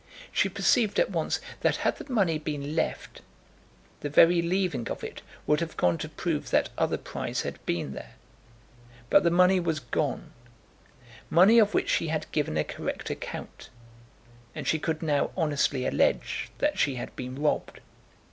She perceived at once that had the money been left, the very leaving of it would have gone to prove that other prize had been there. But the money was gone, money of which she had given a correct account; and she could now honestly allege that she had been robbed.